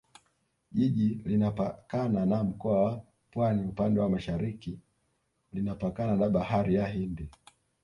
Jiji linapakana na Mkoa wa Pwani upande wa Mashariki linapakana na Bahari ya Hindi